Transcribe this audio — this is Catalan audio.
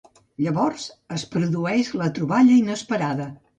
Llavors es produeix la troballa inesperada.